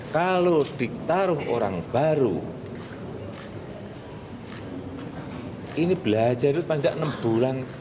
kalau ditaruh orang baru ini belajar itu panjang enam bulan